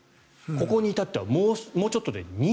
ここに至ってはもうちょっとで２０。